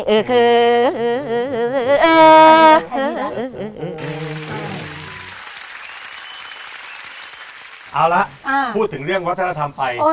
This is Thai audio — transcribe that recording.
เอาละพูดถึงเรื่องวัฒนธรรมไป